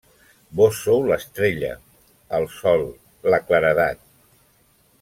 Vós sou l'estrella, el sol, la claredat…